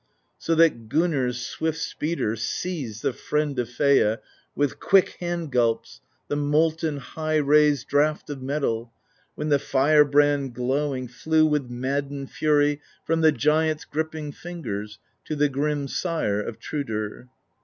So that Gunnr's Swift Speeder Seized (the Friend of Freyja), With quick hand gulps, the molten High raised draught of metal. When the fire brand, glowing. Flew with maddened fury From the giant's gripping fingers To the grim Sire of Thrudr.